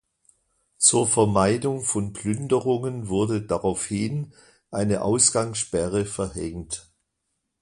Zur Vermeidung von Plünderungen wurde daraufhin eine Ausgangssperre verhängt.